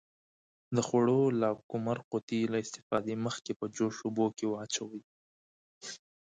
د خوړو لاکمُر قوطي له استفادې مخکې په جوش اوبو کې واچوئ.